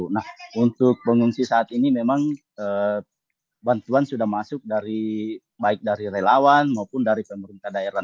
nah untuk pengungsi saat ini memang bantuan sudah masuk baik dari relawan maupun dari pemerintah daerah